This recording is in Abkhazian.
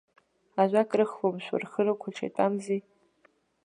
Ажәак рыхәлымшәо, рхы рыкәаҽ итәамзи.